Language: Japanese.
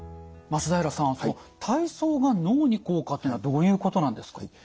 松平さん体操が脳に効果というのはどういうことなんですか？